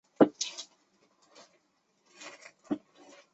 韩国独立运动家和政治人尹致昊的异母弟弟及尹致昌的同母亲兄。